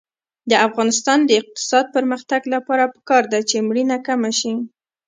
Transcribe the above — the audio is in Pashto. د افغانستان د اقتصادي پرمختګ لپاره پکار ده چې مړینه کمه شي.